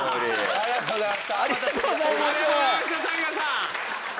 ありがとうございましたＴＡＩＧＡさん！